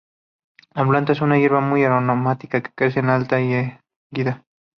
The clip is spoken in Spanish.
La planta es una hierba muy aromática que crece alta y erguida.